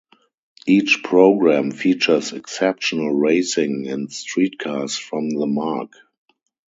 Each program features exceptional racing and street cars from the marque.